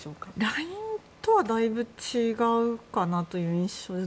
ＬＩＮＥとはだいぶ違うかなという印象です。